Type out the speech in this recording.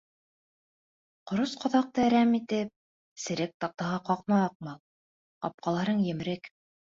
— Ҡорос ҡаҙаҡты әрәм итеп серек таҡтаға ҡаҡма, Аҡмал, ҡапҡаларың емерек.